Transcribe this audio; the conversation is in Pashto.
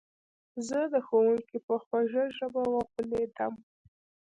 زه د ښوونکي په خوږه ژبه وغولېدم.